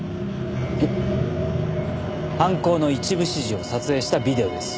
犯行の一部始終を撮影したビデオです。